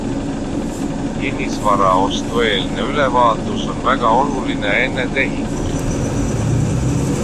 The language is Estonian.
Kinnisvara ostueelne ülevaatus on väga oluline enne tehingut.